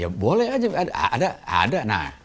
ya boleh aja ada